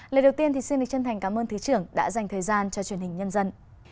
lời đầu tiên thì xin được chân thành cảm ơn thứ trưởng đã dành thời gian cho truyền hình nhân dân